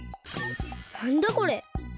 なんだこれ？